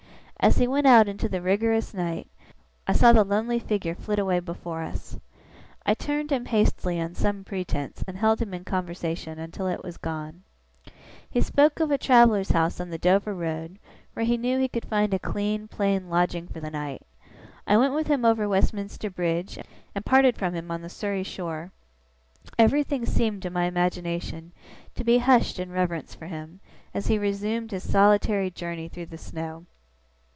As he went out into the rigorous night, I saw the lonely figure flit away before us. I turned him hastily on some pretence, and held him in conversation until it was gone. He spoke of a traveller's house on the Dover Road, where he knew he could find a clean, plain lodging for the night. I went with him over Westminster Bridge, and parted from him on the Surrey shore. Everything seemed, to my imagination, to be hushed in reverence for him, as he resumed his solitary journey through the snow.